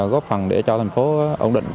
góp phần để cho thành phố ổn định